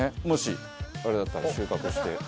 もしあれだったら収穫して。